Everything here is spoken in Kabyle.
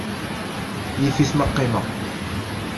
Yif-it ma qqimeɣ.